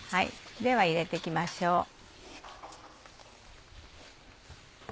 では入れて行きましょう。